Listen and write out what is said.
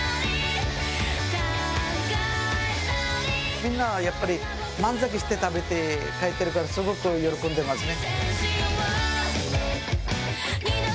みんな、やっぱり満足して食べて帰ってるからすごく喜んでますね。